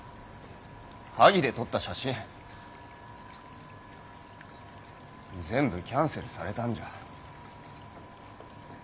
萩で撮った写真全部キャンセルされたんじゃ。